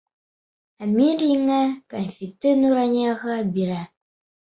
Әмир еңә, кәнфитте Нуранияға бирә.